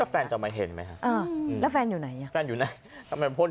แล้วถ้าแฟนจะมาเห็นไหมคะเออแล้วแฟนอยู่ไหนยัง